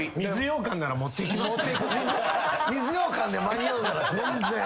水ようかんで間に合うなら全然。